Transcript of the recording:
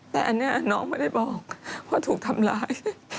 แต่อันนี้น้องไม่ได้บอกว่าถูกทำร้าย